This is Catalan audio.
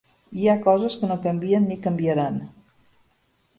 Hi ha coses que no canvien ni canviaran.